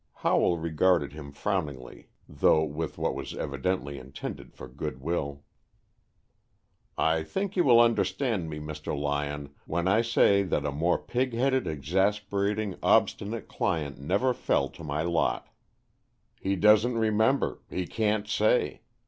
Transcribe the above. Howell regarded him frowningly though with what was evidently intended for good will. "I think you will understand me, Mr. Lyon, when I say that a more pig headed, exasperating, obstinate client never fell to my lot. He doesn't remember. He can't say.